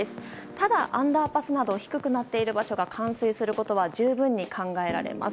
ただ、アンダーパスなど低くなっている場所が冠水することは十分に考えられます。